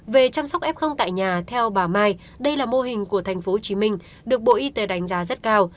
về chăm sóc f tại nhà theo bà mai đây là mô hình của tp hcm được bộ y tế đánh giá rất cao